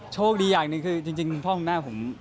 โชคดีอย่างหนึ่งคือจริงพ่อข้างหน้าผม